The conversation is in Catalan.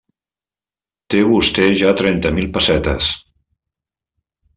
Té vostè ja trenta mil pessetes.